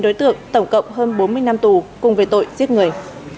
hội đồng xét xử đã tuyên phạt chín đối tượng tổng cộng hơn bốn mươi năm tù cùng về tội giết người